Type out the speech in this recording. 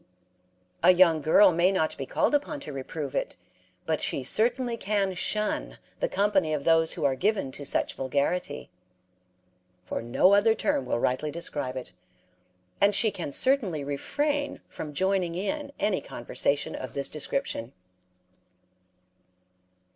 A young girl may not be called upon to reprove it, but she certainly can shun the company of those who are given to such vulgarity (for no other term will rightly describe it), and she can certainly refrain from joining in any conversation of this description.